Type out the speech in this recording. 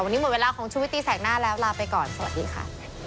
วันนี้หมดเวลาของชุวิตตีแสกหน้าแล้วลาไปก่อนสวัสดีค่ะ